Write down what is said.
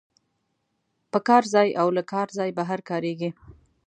په کار ځای او له کار ځای بهر کاریږي.